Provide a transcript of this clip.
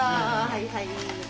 はいはい。